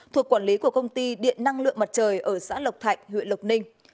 thuộc quản lý của công ty điện năng lượng mặt trời ở xã lộc thạnh huyện lộc ninh